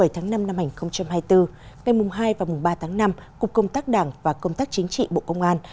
bảy tháng năm năm hai nghìn hai mươi bốn ngày hai và ba tháng năm cục công tác đảng và công tác chính trị bộ công an